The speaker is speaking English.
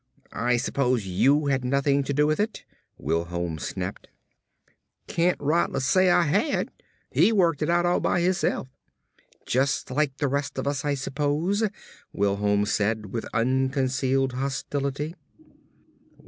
"I suppose you had nothing to do with it," Wilholm snapped. "Cain't rightly say Ah had. He worked it out all by hisself." "Just like the rest of us, I suppose," Wilholm said with unconcealed hostility.